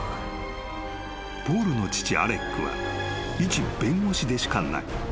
［ポールの父アレックはいち弁護士でしかない］